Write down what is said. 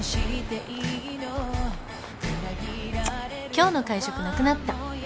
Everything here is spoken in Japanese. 「今日の会食なくなった」